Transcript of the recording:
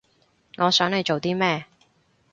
我想你做啲咩